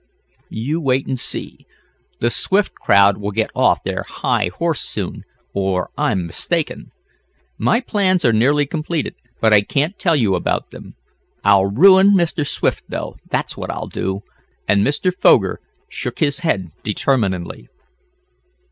"You wait and see. The Swift crowd will get off their high horse soon, or I'm mistaken. My plans are nearly completed, but I can't tell you about them. I'll ruin Mr. Swift, though, that's what I'll do," and Mr. Foger shook his head determinedly.